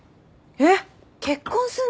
えっ？